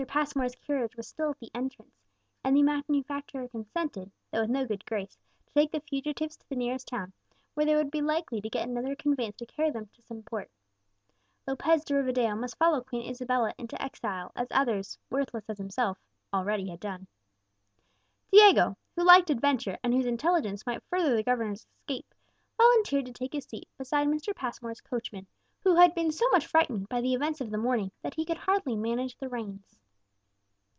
Passmore's carriage was still at the entrance, and the manufacturer consented, though with no good grace, to take the fugitives to the nearest town, where they would be likely to get another conveyance to carry them to some port. Lopez de Rivadeo must follow Queen Isabella into exile, as others, worthless as himself, already had done. Diego, who liked adventure, and whose intelligence might further the governor's escape, volunteered to take his seat beside Mr. Passmore's coachman, who had been so much frightened by the events of the morning that he could hardly manage the reins.